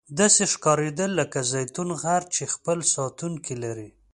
داسې ښکاریدل لکه زیتون غر چې خپل ساتونکي لري.